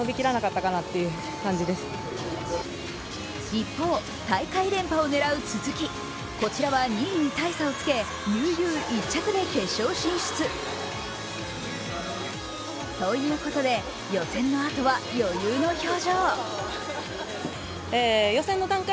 一方、大会連覇を狙う鈴木こちらは２位に大差をつけ悠々１着で決勝進出。ということで予選のあとは余裕の表情。